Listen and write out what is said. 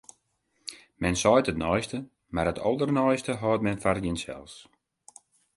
Men seit it neiste, mar it alderneiste hâldt men foar jinsels.